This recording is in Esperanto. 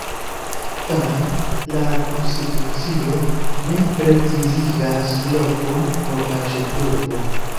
Tamen, la konstitucio ne precizigas lokon por la ĉefurbo.